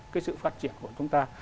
cái sự phát triển của chúng ta